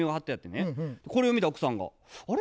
これを見た奥さんが「あれ？